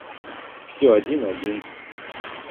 Всё один, один.